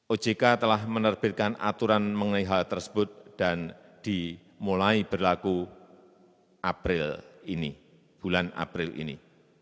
ojk telah menerbitkan aturan mengenai hal tersebut dan dimulai berlaku bulan april ini